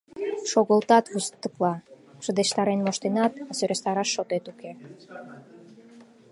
Шогылтат вустыкла: шыдештарен моштенат, а сӧрастараш шотет уке.